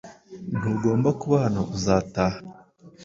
Ntugomba kuba hano uzataha